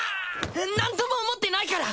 何とも思ってないから